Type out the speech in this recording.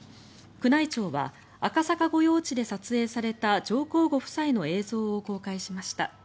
宮内庁は赤坂御用地で撮影された上皇ご夫妻の映像を公開しました。